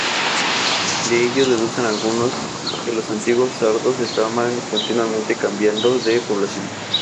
De ello deducen algunos que los antiguos sardos estaban continuamente cambiando de población.